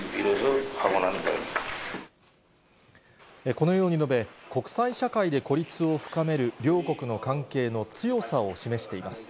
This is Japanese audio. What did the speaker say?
このように述べ、国際社会で孤立を深める両国の関係の強さを示しています。